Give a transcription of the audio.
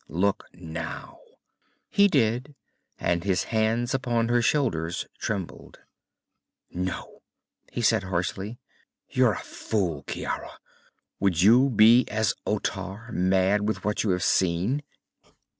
Look now!" He did, and his hands upon her shoulders trembled. "No," he said harshly. "You're a fool, Ciara. Would you be as Otar, mad with what you have seen?"